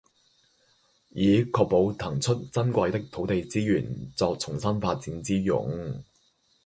以確保騰出珍貴的土地資源作重新發展之用